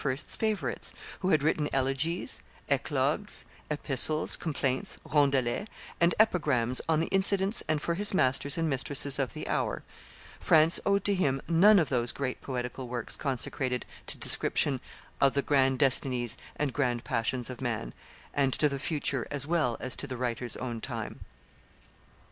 's favorites, who had written elegies, eclogues, epistles, complaints, roundelays, and epigrams on the incidents and for his masters and mistresses of the hour; France owed to him none of those great poetical works consecrated to description of the grand destinies and grand passions of man, and to the future as well as to the writer's own time.